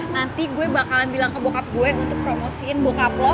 nanti gue bakalan bilang ke bokap gue untuk promosiin bokap lo